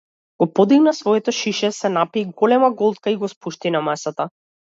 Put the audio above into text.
Го подигна своето шише, се напи голема голтка и го спушти на масата.